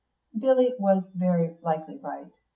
Billy was very likely right.